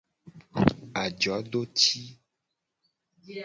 Ajodoci.